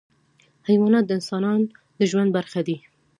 حیوانات د انسان د ژوند برخه دي.